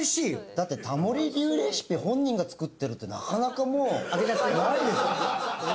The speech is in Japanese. だってタモリ流レシピ本人が作ってるってなかなかもうないですよ。